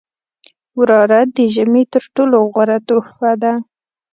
• واوره د ژمي تر ټولو غوره تحفه ده.